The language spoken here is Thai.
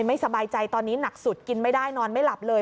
ไม่สบายใจตอนนี้หนักสุดกินไม่ได้นอนไม่หลับเลย